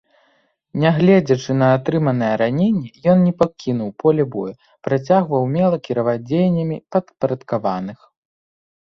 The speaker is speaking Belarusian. Нягледзячы на атрыманае раненне, ён не пакінуў поле бою, працягваў умела кіраваць дзеяннямі падпарадкаваных.